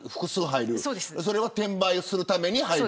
それは転売するために入る。